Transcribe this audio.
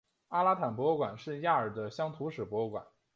阿拉坦博物馆是亚尔的乡土史博物馆。